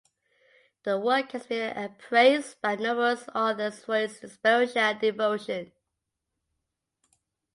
The work has been appraised by numerous authors for its inspiration and devotion.